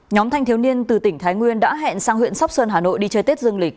nhóm thanh thiếu niên từ tỉnh thái nguyên đã hẹn sang huyện sóc sơn hà nội đi chơi tết dương lịch